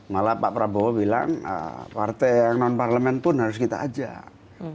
malah pak prabowo bilang partai yang non parlemen pun harus kita ajak